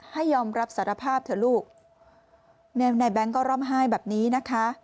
ยอมรับสารภาพเถอะลูกในแบงค์ก็ร่ำไห้แบบนี้นะคะ